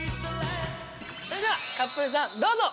それではカップルさんどうぞ！